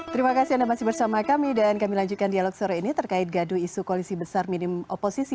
terima kasih anda masih bersama kami dan kami lanjutkan dialog sore ini terkait gadu isu koalisi besar minim oposisi